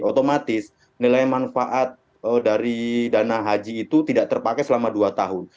otomatis nilai manfaat dari dana haji itu tidak terpakai selama dua tahun